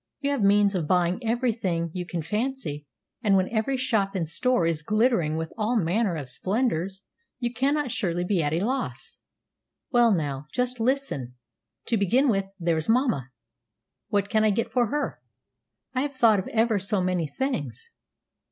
"You have means of buying every thing you can fancy; and when every shop and store is glittering with all manner of splendors, you cannot surely be at a loss." "Well, now, just listen. To begin with, there's mamma. What can I get for her? I have thought of ever so many things.